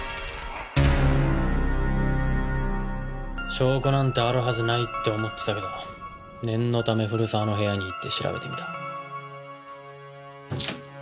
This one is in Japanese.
証拠なんてあるはずないって思ってたけど念のため古沢の部屋に行って調べてみた。